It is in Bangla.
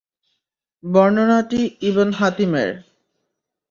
বর্ণনাটি ইবন হাতিমের।